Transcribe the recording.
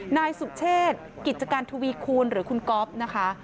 นายสุเชษกิจการทวีคูณหรือคุณก๊อฟนะคะ